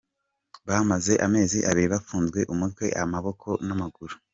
Bamaze amezi abiri bafunzwe umutwe, amaboko n’amaguru